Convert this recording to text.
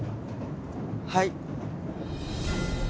はい。